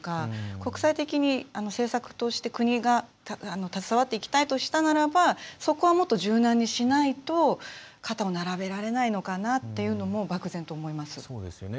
国際的に政策として国が携わっていきたいとしたならそこはもっと柔軟にしないと肩を並べられないのかなというのも漠然と思います。